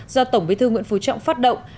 do tổng bí thư nguyễn phú trọng phát động